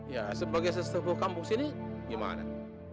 ya sebagai sesuatu kampus ini gimana